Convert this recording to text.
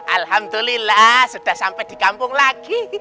alhamdulillah sudah sampai di kampung lagi